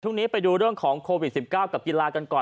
ช่วงนี้ไปดูเรื่องของโควิด๑๙กับกีฬากันก่อน